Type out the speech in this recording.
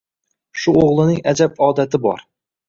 Shu o‘g‘lining ajab odati bor